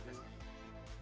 dihubungi dengan kata kata